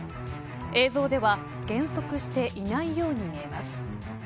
映像では減速していないように見えます。